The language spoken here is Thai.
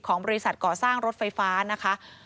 บริษัทก่อสร้างรถไฟฟ้านะคะ